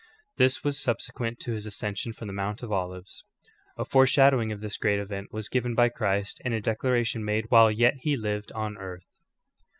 This was subsequent to His ascension from the ]\Tount of Olives. A foreshadowing of this great event was given by Christ in a declaration made Vvhile yet He lived on earth.